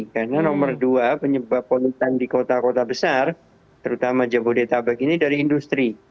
karena nomor dua penyebab polutan di kota kota besar terutama jabodetabek ini dari industri